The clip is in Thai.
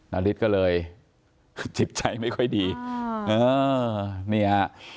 นาริสก็เลยจิบใจไม่ค่อยดี